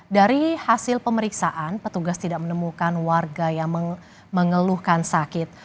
dari hasil pemeriksaan petugas tidak menemukan warga yang mengeluhkan sakit